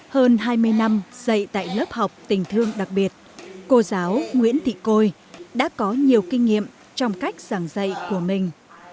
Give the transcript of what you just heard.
hơn hai mươi năm dạy tại lớp học tình thương đặc biệt cô giáo nguyễn thị côi đã có nhiều kinh nghiệm trong cách giảng dạy của mình